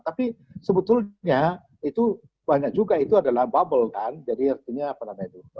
tapi sebetulnya itu banyak juga itu adalah bubble kan jadi artinya apa namanya itu